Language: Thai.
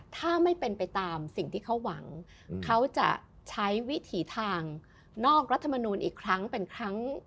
ถ้าไม่เป็นไปตามสิ่งที่เขาหวังเขาจะใช้วิถีทางนอกรัฐมนูลอีกครั้งเป็นครั้ง